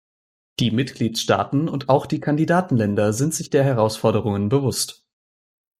Die Mitgliedstaaten und auch die Kandidatenländer sind sich der Herausforderungen bewusst.